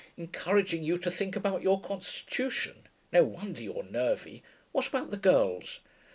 'Encouraging you to think about your constitution. No wonder you're nervy. What about the girls?'